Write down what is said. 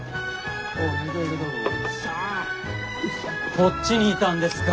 こっちにいたんですか。